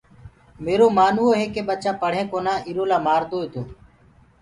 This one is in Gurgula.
ميرو مآنوو هي ڪي ٻچآ پڙهين ڪونآ ايرو لآ مآدوئي تو